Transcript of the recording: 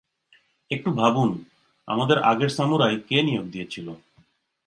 একটু ভাবুন, আমাদের আগের সামুরাই কে নিয়োগ দিয়েছিল?